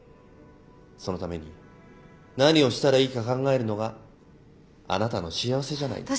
そのために何をしたらいいか考えるのがあなたの幸せじゃないんですか？